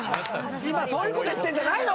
今そういうこと言ってんじゃないの！